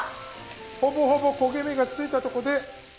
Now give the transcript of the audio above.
ほぼほぼ焦げ目がついたとこで。